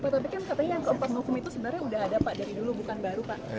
tapi kan katanya yang keempat movement itu sebenarnya udah ada pak dari dulu bukan baru pak